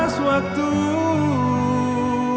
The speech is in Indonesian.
saya ke kamar dulu ya